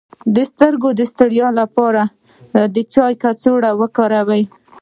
د سترګو د ستړیا لپاره د چای کڅوړه وکاروئ